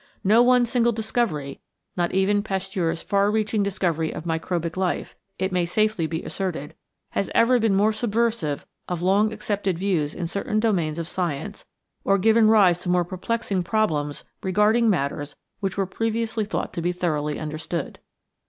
No one single discovery, not even Pasteur's far reaching discovery of microbic life, it may safely be asserted, has ever been more subversive of long accepted views in certain domains of science, or given rise to more perplexing problems regarding matters which were previously thought to be thoroughly understood.